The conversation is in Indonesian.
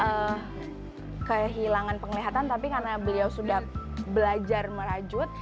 saya kehilangan penglihatan tapi karena beliau sudah belajar merajut